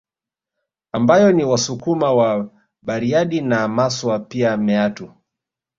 Ambayo ni Wasukuma wa Bariadi na Maswa pia Meatu